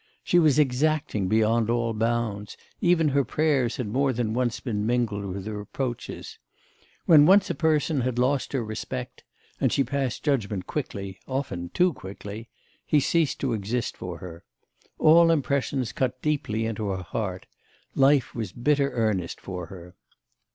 She was exacting beyond all bounds, even her prayers had more than once been mingled with reproaches. When once a person had lost her respect and she passed judgment quickly, often too quickly he ceased to exist for her. All impressions cut deeply into her heart; life was bitter earnest for her.